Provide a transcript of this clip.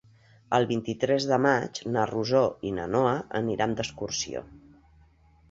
El vint-i-tres de maig na Rosó i na Noa aniran d'excursió.